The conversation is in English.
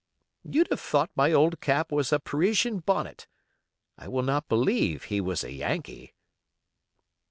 You'd have thought my old cap was a Parisian bonnet. I will not believe he was a Yankee."